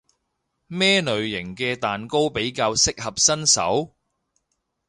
咩類型嘅蛋糕比較適合新手？